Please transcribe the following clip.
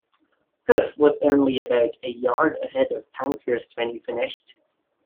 Huff was only about a yard ahead of Pankhurst when he finished.